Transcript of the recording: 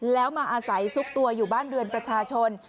แล้วมาอาศัยซุกตัวอยู่บ้านเรือนประชาชน